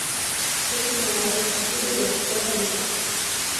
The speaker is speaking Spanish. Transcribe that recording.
Es un lugar muy tranquilo y de pocos habitantes.